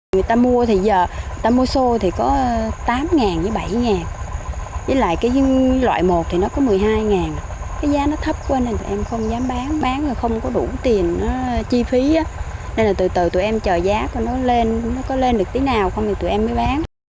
người ta mua thì giờ người ta mua xô thì có tám với bảy với lại cái loại một thì nó có một mươi hai cái giá nó thấp quá nên tụi em không dám bán bán rồi không có đủ tiền chi phí nên là từ từ tụi em chờ giá coi nó lên nó có lên được tí nào không thì tụi em mới bán